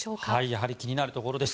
やはり気になるところです。